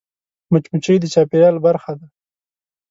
مچمچۍ د چاپېریال برخه ده